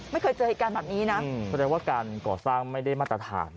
ไม่เคยเจอเหตุการณ์แบบนี้นะแสดงว่าการก่อสร้างไม่ได้มาตรฐาน